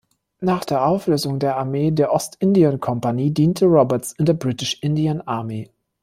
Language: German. Nach der Auflösung der Armee der Ostindien-Kompanie diente Roberts in der British Indian Army.